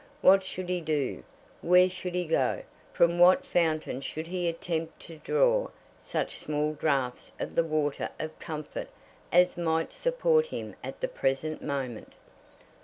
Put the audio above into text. What should he do? Where should he go? From what fountain should he attempt to draw such small draughts of the water of comfort as might support him at the present moment?